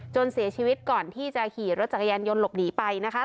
เสียชีวิตก่อนที่จะขี่รถจักรยานยนต์หลบหนีไปนะคะ